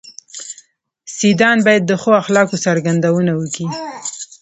سيدان بايد د ښو اخلاقو څرګندونه وکي.